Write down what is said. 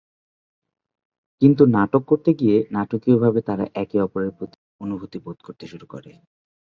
কিন্তু নাটক করতে গিয়ে নাটকীয়ভাবে তারা একে অপরের প্রতি অনুভূতি বোধ করতে শুরু করে।